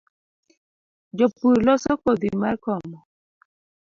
Jopur loso kodhi mar komo